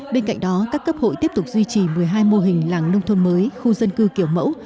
bên cạnh đó các cấp hội tiếp tục duy trì một mươi hai mô hình làng nông thôn mới khu dân cư kiểu mẫu